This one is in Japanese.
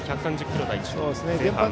１３０キロ台後半。